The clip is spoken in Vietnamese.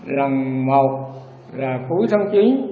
lần một là cuối tháng chín